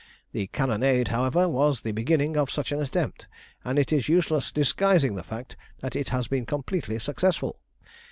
The cannonade, however, was the beginning of such an attempt, and it is useless disguising the fact that it has been completely successful.